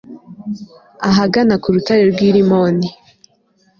ahagana ku rutare rw'i rimoni